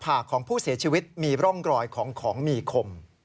หากของผู้เสียชีวิตมีร่องรอยของของมีคม